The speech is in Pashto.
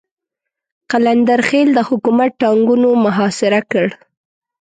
قلندر خېل د حکومت ټانګونو محاصره کړ.